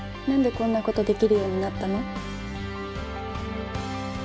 何でこんなことできるようになったの？